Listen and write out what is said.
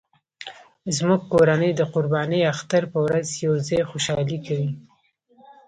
زموږ کورنۍ د قرباني اختر په ورځ یو ځای خوشحالي کوي